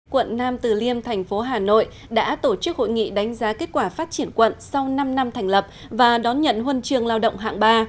quận nam từ liêm thành phố hà nội đã tổ chức hội nghị đánh giá kết quả phát triển quận sau năm năm thành lập và đón nhận huân trường lao động hạng ba